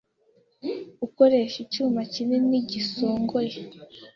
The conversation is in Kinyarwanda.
Ukoresha icyuma kinini gisongoye